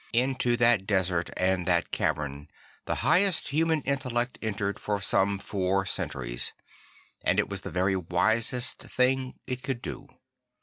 Into that desert and that cavern the highest human intellect entered for some four centuries; and it was the very wisest thing it could do.